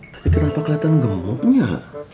tapi kenapa kelihatan gemuknya